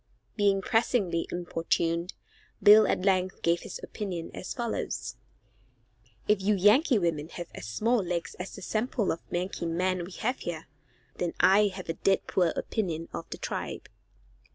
Being pressingly importuned, Bill at length gave his opinion as follows: "If you Yankee women have as small legs as the sample of Yankee men we have here, then I have a d d poor opinion of the tribe."